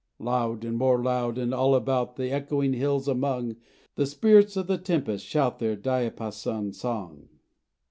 Loud and more loud, and all about The echoing hills among, The spirits of the tempest shout Their diapason song.